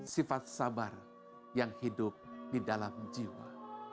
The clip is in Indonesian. sifat sabar yang hidup di dalam jiwa